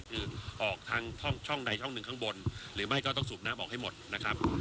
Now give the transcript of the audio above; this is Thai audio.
คือออกทางช่องใดช่องหนึ่งข้างบนหรือไม่ก็ต้องสูบน้ำออกให้หมดนะครับ